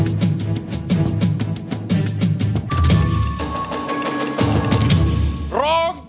น้องโมรอบ